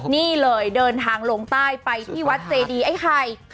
นี่เลยเดินทางลงใต้ไปที่วัดเจดีไอ้ไข่